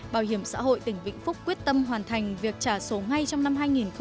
bảo hiểm xã hội tỉnh vĩnh phúc quyết tâm hoàn thành việc trả sổ ngay trong năm hai nghìn một mươi bảy